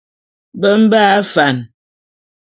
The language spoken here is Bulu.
Be mbe afan.